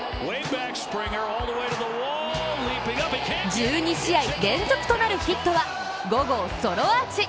１２試合連続となるヒットは５号ソロアーチ。